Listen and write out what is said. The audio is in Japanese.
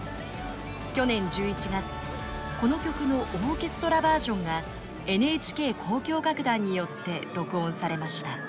去年１１月この曲のオーケストラバージョンがＮＨＫ交響楽団によって録音されました。